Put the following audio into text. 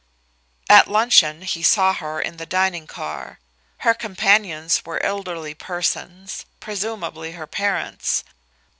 At luncheon he saw her in the dining car. Her companions were elderly persons presumably her parents.